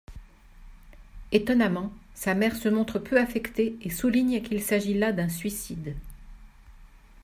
Étonnamment, sa mère se montre peu affectée et souligne qu'il s'agit là d'un suicide.